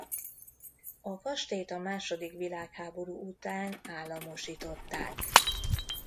A kastélyt a második világháború után államosították.